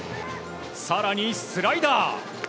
更にスライダー。